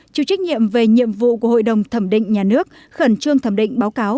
chịu trách nhiệm về nhiệm vụ của hội đồng thẩm định nhà nước khẩn trương thẩm định báo cáo